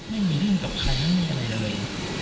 ไม่มีเรื่องกับใครไม่มีอะไรเลย